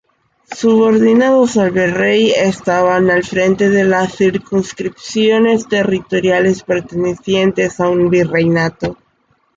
Subordinados al virrey, estaban al frente de las circunscripciones territoriales pertenecientes a un virreinato.